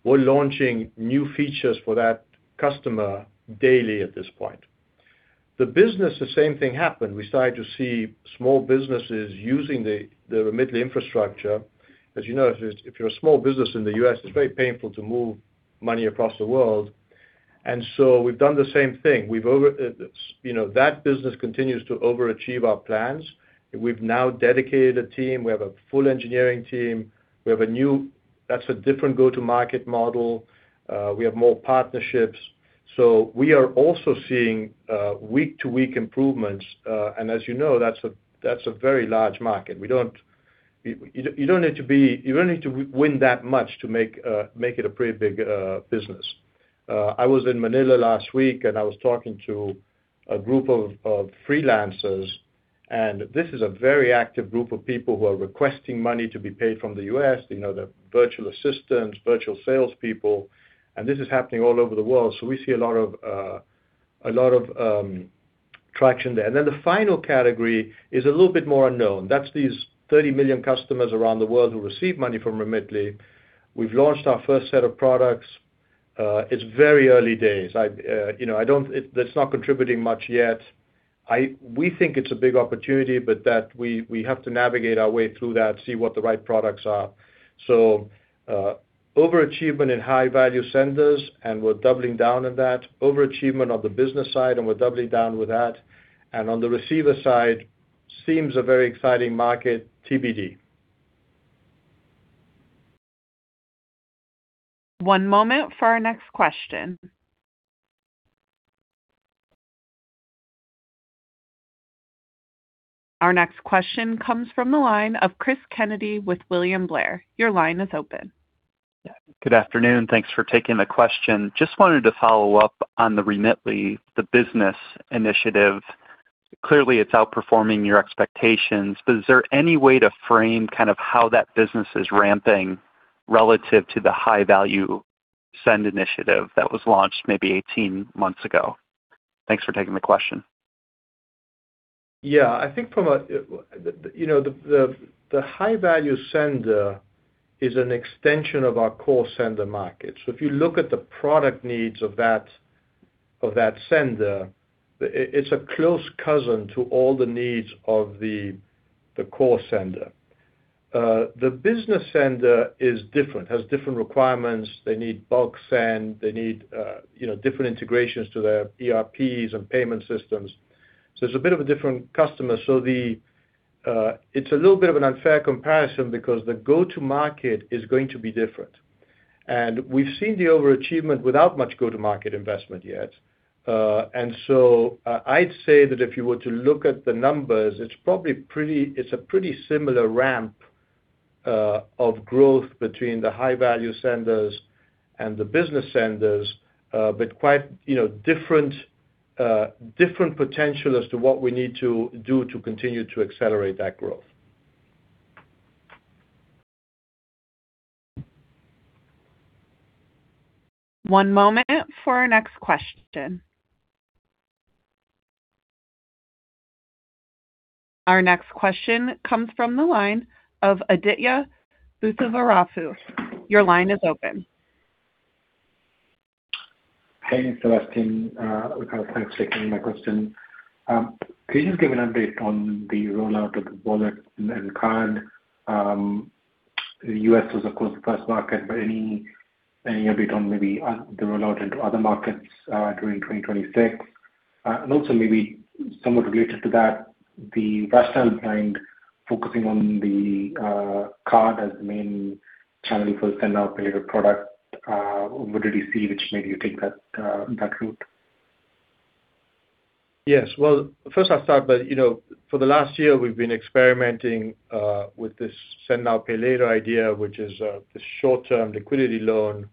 We're launching new features for that customer daily at this point. The business, the same thing happened. We started to see small businesses using the Remitly infrastructure. As you know, if you're a small business in the U.S., it's very painful to move money across the world. We've done the same thing. We've, you know, that business continues to overachieve our plans. We've now dedicated a team. We have a full engineering team. We have a new. That's a different go-to-market model. We have more partnerships. We are also seeing week-to-week improvements. As you know, that's a very large market. You don't need to win that much to make it a pretty big business. I was in Manila last week, and I was talking to a group of freelancers, and this is a very active group of people who are requesting money to be paid from the U.S. You know, they're virtual assistants, virtual salespeople, and this is happening all over the world. We see a lot of traction there. The final category is a little bit more unknown. That's these 30 million customers around the world who receive money from Remitly. We've launched our first set of products. It's very early days. I, you know, that's not contributing much yet. We think it's a big opportunity. We have to navigate our way through that, see what the right products are. Over-achievement in high-value senders, and we're doubling down on that. Over-achievement on the business side, and we're doubling down with that. On the receiver side, seems a very exciting market, TBD. One moment for our next question. Our next question comes from the line of Cris Kennedy with William Blair. Your line is open. Good afternoon. Thanks for taking the question. Just wanted to follow up on the Remitly, the business initiative. Clearly, it's outperforming your expectations. Is there any way to frame kind of how that business is ramping relative to the high-value send initiative that was launched maybe 18 months ago? Thanks for taking the question. I think from a, you know, the high-value sender is an extension of our core sender market. If you look at the product needs of that sender, it's a close cousin to all the needs of the core sender. The business sender is different, has different requirements. They need bulk send. They need, you know, different integrations to their ERPs and payment systems. It's a bit of a different customer. It's a little bit of an unfair comparison because the go-to market is going to be different. We've seen the overachievement without much go-to-market investment yet. I'd say that if you were to look at the numbers, it's probably a pretty similar ramp of growth between the high-value senders and the business senders, but quite, you know, different potential as to what we need to do to continue to accelerate that growth. One moment for our next question. Our next question comes from the line of Aditya Buddhavarapu. Your line is open. Hey, Sebastian. Thanks for taking my question. Can you just give an update on the rollout of the wallet and card? The U.S. was of course the first market, but any update on maybe on the rollout into other markets during 2026? Also maybe somewhat related to that, the lifestyle brand focusing on the card as the main channel for send now, pay later product, what did you see which made you take that route? Yes. Well, first I'll start by, you know, for the last year we've been experimenting with this send now, pay later idea, which is the short-term liquidity loan.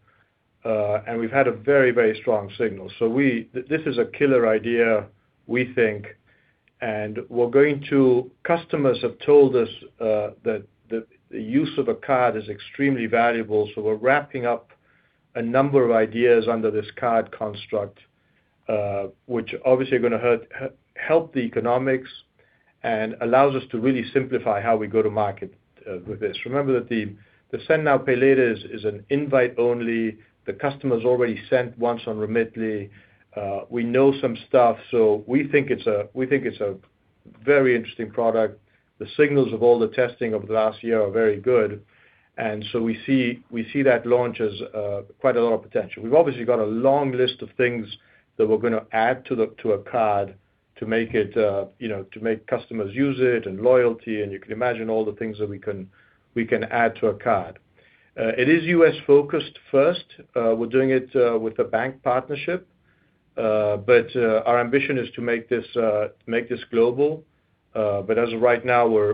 We've had a very, very strong signal. This is a killer idea, we think. Customers have told us that the use of a card is extremely valuable. We're wrapping up a number of ideas under this card construct, which obviously are gonna help the economics and allows us to really simplify how we go to market with this. Remember that the send now, pay later is an invite only. The customer's already sent once on Remitly. We know some stuff, so we think it's a very interesting product. The signals of all the testing over the last year are very good. We see that launch as quite a lot of potential. We've obviously got a long list of things that we're gonna add to a card to make it, you know, to make customers use it and loyalty, and you can imagine all the things that we can add to a card. It is U.S.-focused first. We're doing it with the bank partnership. Our ambition is to make this global. As of right now we're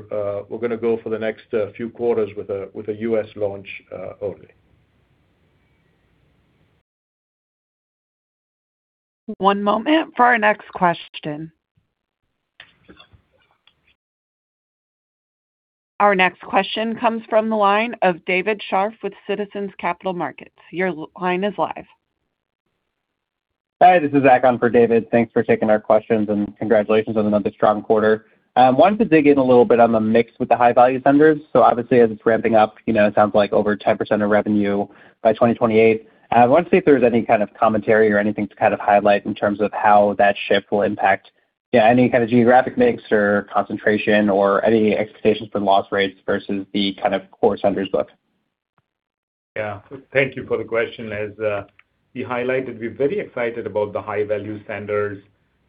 gonna go for the next few quarters with a U.S. launch only. One moment for our next question. Our next question comes from the line of David Scharf with Citizens Capital Markets. Your line is live. Hi, this is Zach on for David. Thanks for taking our questions, and congratulations on another strong quarter. Wanted to dig in a little bit on the mix with the high-value senders. Obviously as it's ramping up, you know, it sounds like over 10% of revenue by 2028. Wanted to see if there was any kind of commentary or anything to kind of highlight in terms of how that shift will impact, yeah, any kind of geographic mix or concentration or any expectations for loss rates versus the kind of core senders book. Thank you for the question. As you highlighted, we're very excited about the high-value senders,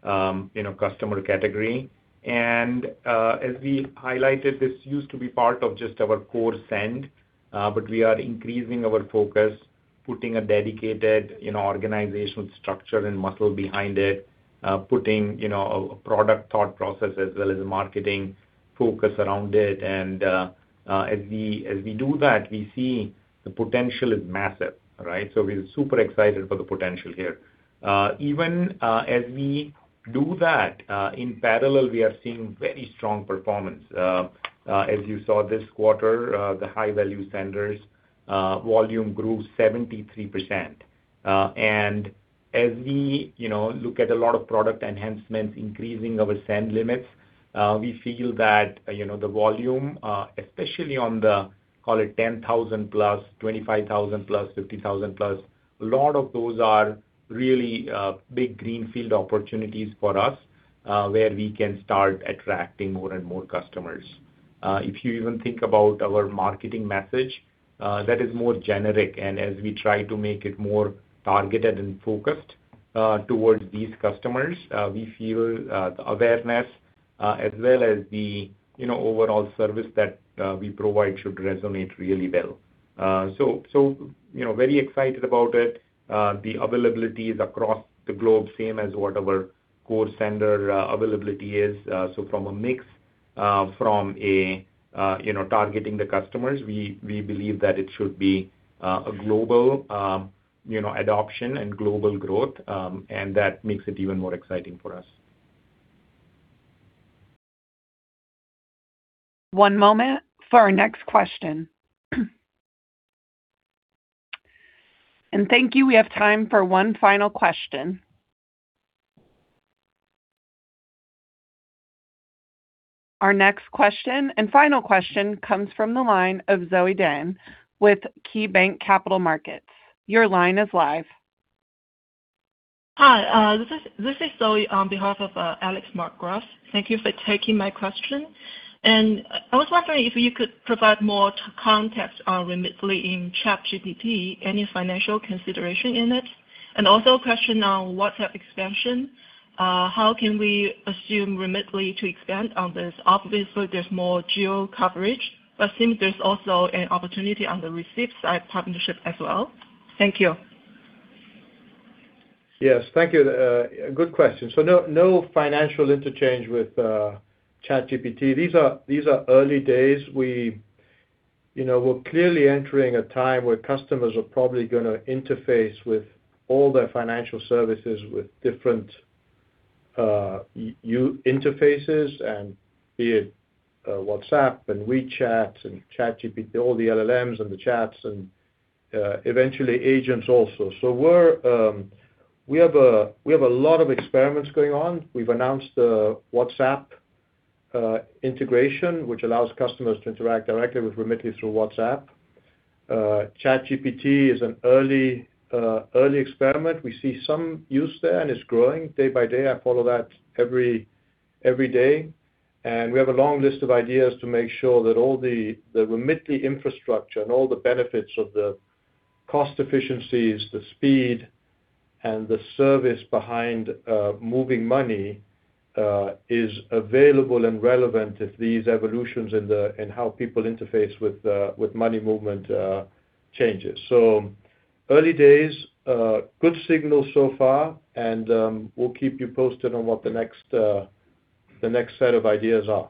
you know, customer category. As we highlighted, this used to be part of just our core send, but we are increasing our focus, putting a dedicated, you know, organizational structure and muscle behind it, putting, you know, a product thought process as well as a marketing focus around it. As we do that, we see the potential is massive, right? We're super excited for the potential here. Even as we do that, in parallel, we are seeing very strong performance. As you saw this quarter, the high-value senders volume grew 73%. As we, you know, look at a lot of product enhancements, increasing our send limits, we feel that, you know, the volume, especially on the, call it 10,000+, 25,000+, 50,000+, a lot of those are really big greenfield opportunities for us, where we can start attracting more and more customers. If you even think about our marketing message, that is more generic. As we try to make it more targeted and focused towards these customers, we feel the awareness, as well as the, you know, overall service that we provide should resonate really well. So, you know, very excited about it. The availability is across the globe, same as what our core sender availability is. From a mix, from a, you know, targeting the customers, we believe that it should be a global, you know, adoption and global growth, and that makes it even more exciting for us. One moment for our next question. Thank you. We have time for one final question. Our next question and final question comes from the line of Zoe Deng with KeyBanc Capital Markets. Your line is live. Hi, this is Zoe on behalf of Alex Markgraff. Thank you for taking my question. I was wondering if you could provide more context on Remitly in ChatGPT, any financial consideration in it? Also a question on WhatsApp expansion. How can we assume Remitly to expand on this? Obviously, there's more geo coverage, but seems there's also an opportunity on the receive side partnership as well. Thank you. Yes, thank you. Good question. No, no financial interchange with ChatGPT. These are early days. We, you know, we're clearly entering a time where customers are probably gonna interface with all their financial services with different interfaces and be it WhatsApp and WeChat and ChatGPT, all the LLMs and the chats and eventually agents also. We have a lot of experiments going on. We've announced the WhatsApp integration, which allows customers to interact directly with Remitly through WhatsApp. ChatGPT is an early experiment. We see some use there, and it's growing day by day. I follow that every day. We have a long list of ideas to make sure that all the Remitly infrastructure and all the benefits of the cost efficiencies, the speed, and the service behind moving money is available and relevant if these evolutions in how people interface with money movement changes. Early days, good signals so far, and we'll keep you posted on what the next set of ideas are.